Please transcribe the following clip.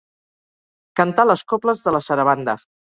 Cantar les cobles de la Sarabanda.